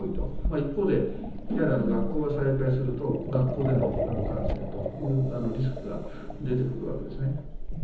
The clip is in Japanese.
一方で、いわゆる学校が再開すると、学校での感染というリスクが出てくるわけですね。